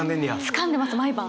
つかんでます毎晩。